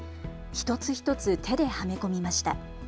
一つ一つ手ではめ込みました。